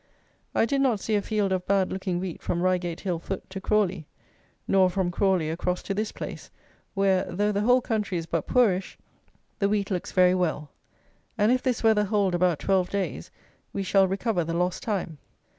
I did not see a field of bad looking wheat from Reigate hill foot to Crawley, nor from Crawley across to this place, where, though the whole country is but poorish, the wheat looks very well; and if this weather hold about twelve days, we shall recover the lost time.